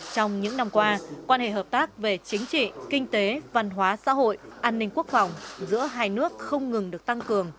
trong những năm qua quan hệ hợp tác về chính trị kinh tế văn hóa xã hội an ninh quốc phòng giữa hai nước không ngừng được tăng cường